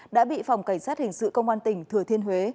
đã bị phòng cảnh sát hình sự công an tỉnh thừa thiên huế